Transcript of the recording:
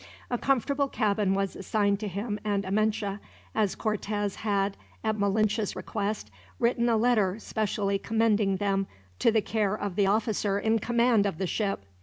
A comfortable cabin was assigned to him and Amenche, as Cortez had, at Malinche's request, written a letter specially commending them to the care of the officer in command of the ship.